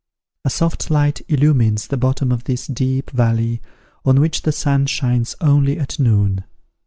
A soft light illumines the bottom of this deep valley, on which the sun shines only at noon.